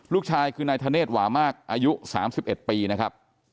ลูกชายคือนายธเนธหวามากอายุ๓๑ปีนะครับ